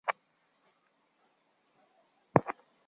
بوتل د سړکونو پر غاړه موندل کېږي.